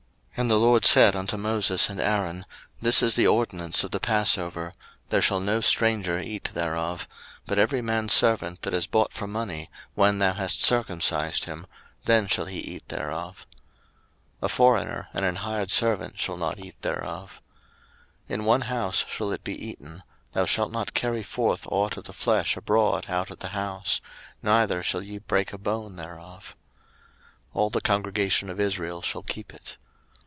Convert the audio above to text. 02:012:043 And the LORD said unto Moses and Aaron, This is the ordinance of the passover: There shall no stranger eat thereof: 02:012:044 But every man's servant that is bought for money, when thou hast circumcised him, then shall he eat thereof. 02:012:045 A foreigner and an hired servant shall not eat thereof. 02:012:046 In one house shall it be eaten; thou shalt not carry forth ought of the flesh abroad out of the house; neither shall ye break a bone thereof. 02:012:047 All the congregation of Israel shall keep it.